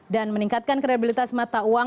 meningkatkan kredibilitas mata uang